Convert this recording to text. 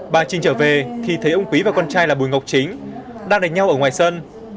bà trình trở về thì thấy ông quý và con trai là bùi ngọc chính đang đánh nhau ở ngoài sân